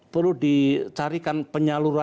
perlu dicarikan penyaluran